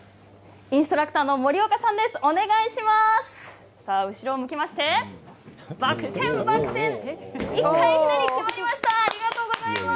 インストラクターの森岡さんです、お願いします。